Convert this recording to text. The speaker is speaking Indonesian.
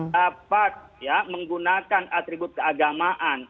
dapat menggunakan atribut keagamaan